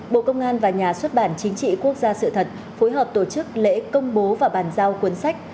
bộ công an và nhà xuất bản chính trị quốc gia sự thật phối hợp tổ chức lễ công bố và bàn giao cuốn sách